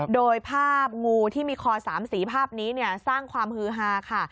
โดยภาพงูที่มีคอ๓สีภาพนี้สร้างความฮือฮาค่ะ